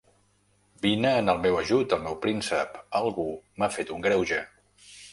Vine en el meu ajut, el meu príncep, algú m'ha fet un greuge.